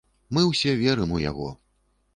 Мы ўсе верым у яго.